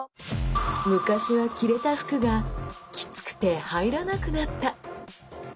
昔は着れた服がキツくて入らなくなった！